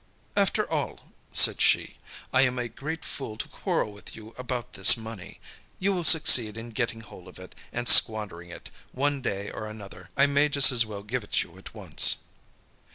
"After all," said she, "I am a great fool to quarrel with you about this money. You will succeed in getting hold of it and squandering it, one day or another. I may just as well give it you at once."